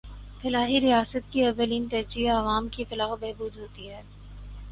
فلاحی ریاست کی اولین ترجیح عوام کی فلاح و بہبود ہوتی ہے۔